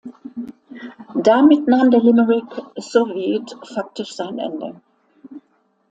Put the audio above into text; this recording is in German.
Damit nahm der Limerick Soviet faktisch sein Ende.